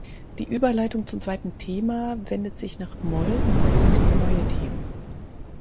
Die Überleitung zum zweiten Thema wendet sich nach Moll und bringt neue Themen.